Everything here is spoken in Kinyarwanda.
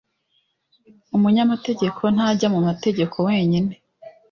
umunyamategeko ntajya mu mategeko wenyine.